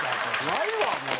ないわもう。